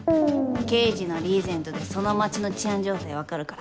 刑事のリーゼントでその街の治安状態分かるから。